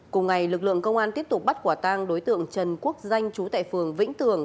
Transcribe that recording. cùng ngày lực lượng công an tiếp tục bắt quả tang đối tượng trần quốc danh chú tại phường vĩnh tường